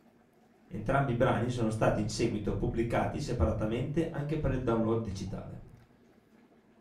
Entrambi i brani sono stati in seguito pubblicati separatamente anche per il download digitale.